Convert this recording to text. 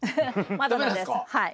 まだなんですはい。